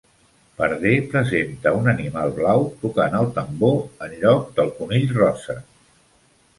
Part Deux, presenta un animal blau que tocant el tambor en lloc del conill rosa.